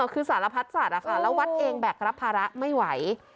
คือสารพัดสัตว์แล้ววัดเองแบกรับภาระไม่ไหว